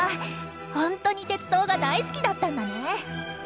ほんとに鉄道が大好きだったんだね。